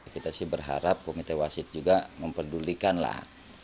kita sih berharap komite wasit juga memperdulikan lah